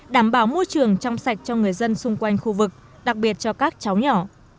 đảm bảo môi trường trong sạch cho người dân xung quanh khu vực đặc biệt cho các cháu nhỏ